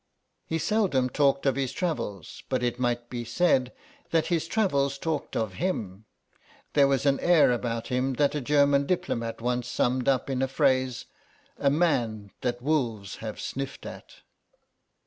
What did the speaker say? He seldom talked of his travels, but it might be said that his travels talked of him; there was an air about him that a German diplomat once summed up in a phrase: "a man that wolves have sniffed at."